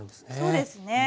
そうですね。